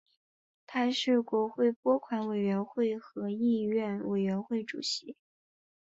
他还是国会拨款委员会和议院委员会主席。